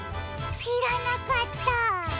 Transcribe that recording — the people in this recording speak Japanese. しらなかったあ。